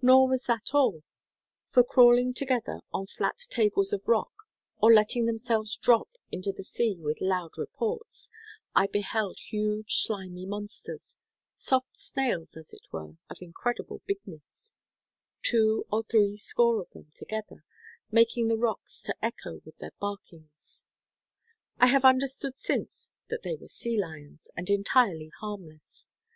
Nor was that all; for crawling together on flat tables of rock, or letting themselves drop into the sea with loud reports, I beheld huge slimy monsters—soft snails, as it were, of incredible bigness—two or three score of them together, making the rocks to echo with their barkings. I have understood since that they were sea lions, and entirely harmless.